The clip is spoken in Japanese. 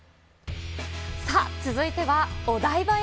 さあ、続いてはお台場へ。